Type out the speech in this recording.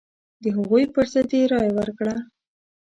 د هغوی پر ضد یې رايه ورکړه.